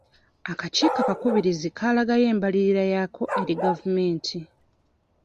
Akakiiko akakubirizi kaalagayo embalirira yako eri gavumenti.